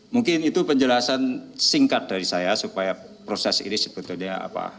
mungkin itu penjelasan singkat dari saya supaya proses ini sebetulnya apa